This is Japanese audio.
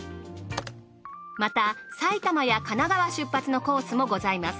また埼玉や神奈川出発のコースもございます。